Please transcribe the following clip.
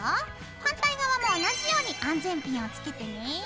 反対側も同じように安全ピンをつけてね。